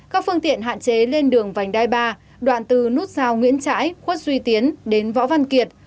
các phương tiện hạn chế lên đường vành đai ba đoạn từ nút sao nguyễn trãi khuất duy tiến đến võ văn kiệt